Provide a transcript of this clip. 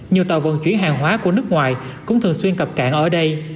nhiều tàu vận chuyển hàng hóa của nước ngoài cũng thường xuyên cập cạn ở đây